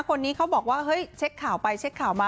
คนนี้เขาบอกว่าเฮ้ยเช็คข่าวไปเช็คข่าวมา